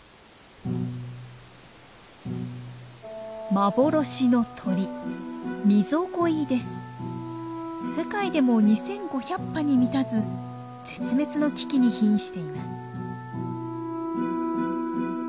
幻の鳥世界でも２，５００羽に満たず絶滅の危機にひんしています。